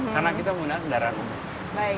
karena kita menggunakan kendaraan umum